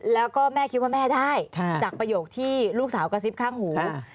แล้วก็แม่คิดว่าแม่ได้จากประโยคที่ลูกสาวกระซิบข้างหู